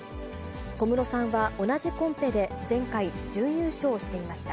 小室さんは同じコンペで前回、準優勝していました。